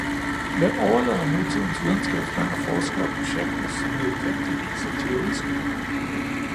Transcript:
Hvem overlader nutidens videnskabsmænd og forskere projekter, som nødvendigvis er djævelske?